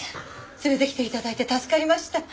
連れてきて頂いて助かりました。